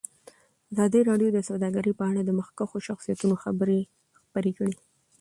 ازادي راډیو د سوداګري په اړه د مخکښو شخصیتونو خبرې خپرې کړي.